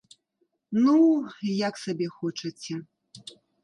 Ну, як сабе хочаце.